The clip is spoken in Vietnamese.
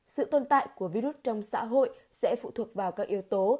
sự tồn tại của virus trong xã hội sẽ phụ thuộc vào các yếu tố